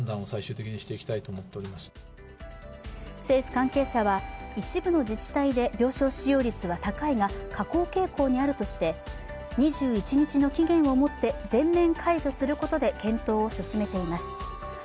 政府関係者は一部の自治体で病床使用率は高いが、下降傾向にあるとして、２１日の期限をもって全面解除することで検討を進めています。